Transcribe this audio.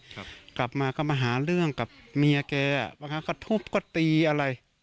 กลับมาก็มาหาเรื่องกับเมียแกอ่ะบางครั้งก็ทุบก็ตีอะไร